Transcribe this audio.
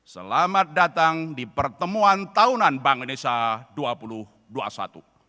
selamat datang di pertemuan tahunan bank indonesia dua ribu dua puluh satu